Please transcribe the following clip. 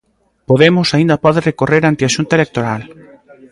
Podemos aínda pode recorrer ante a xunta electoral.